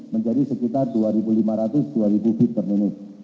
menjadi sekitar dua lima ratus dua ribu feet per menit